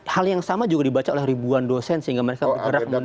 hal yang sama juga dibaca oleh ribuan dosen sehingga mereka bergerak menuju